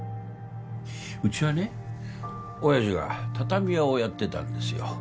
うちはね親父が畳屋をやってたんですよ